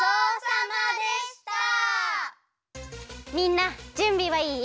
みんなじゅんびはいい？